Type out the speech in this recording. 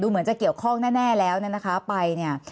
เหมือนจะเกี่ยวข้องแน่แล้วเนี่ยนะคะไปเนี่ย